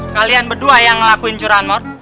kalian berdua yang ngelakuin curahan mor